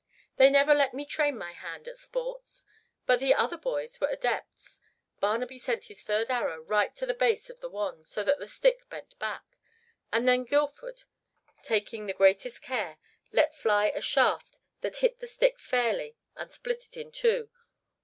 They never let me train my hand at sports." But the other boys were adepts. Barnaby sent his third arrow right to the base of the wand so that the stick bent back, and then Guildford, taking the greatest care, let fly a shaft that hit the stick fairly and split it in two.